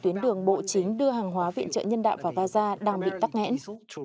chuyến đường bộ chính đưa hàng hóa viện trợ nhân đạo vào gaza đang bị tắt ngẽn